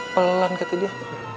pelan kata dia